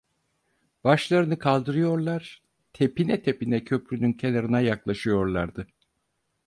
Başlarını kaldırıyorlar, tepine tepine köprünün kenarına yaklaşıyorlardı.